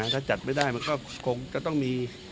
ถ้าจัดไม่ได้ก็จะต้องมี